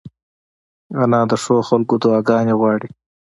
انا د ښو خلکو دعاګانې غواړي